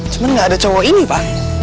cuman gak ada cowok ini pak